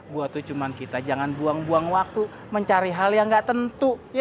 gua itu cuma kita jangan buang buang waktu mencari hal yang gak tentu